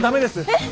えっ。